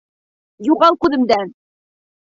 Юғал күҙемдән!